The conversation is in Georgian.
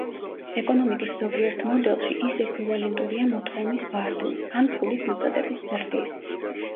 ეკონომიკის ზოგიერთ მოდელში, ის ექვივალენტურია მოთხოვნის ვარდნის, ან ფულის მიწოდების ზრდის.